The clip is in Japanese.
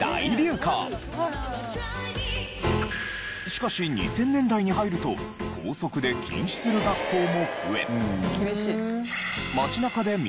しかし２０００年代に入ると校則で禁止する学校も増え。